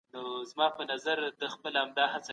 مرغان ويده شول.